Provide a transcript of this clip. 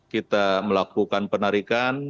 kita melakukan penarikan